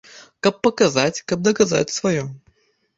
Каб паказаць, каб даказаць сваё.